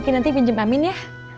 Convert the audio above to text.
papi nanti kita pinjem amin ya